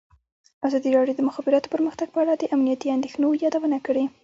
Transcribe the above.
ازادي راډیو د د مخابراتو پرمختګ په اړه د امنیتي اندېښنو یادونه کړې.